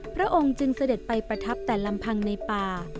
พระองค์จึงเสด็จไปประทับแต่ลำพังในป่า